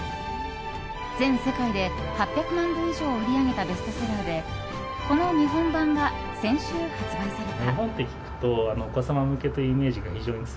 全世界で８００万部以上を売り上げたベストセラーでこの日本版が先週発売された。